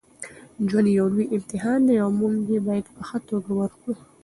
ژوند یو لوی امتحان دی او موږ یې باید په ښه توګه ورکړو.